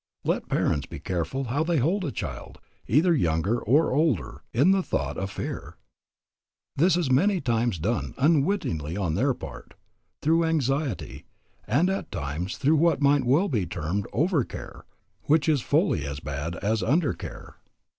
Let parents be careful how they hold a child, either younger or older, in the thought of fear. This is many times done, unwittingly on their part, through anxiety, and at times through what might well be termed over care, which is fully as bad as under care.